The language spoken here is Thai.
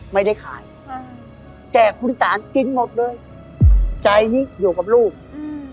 ไม่ได้ขายค่ะแจกคุณสารกินหมดเลยใจนี้อยู่กับลูกอืม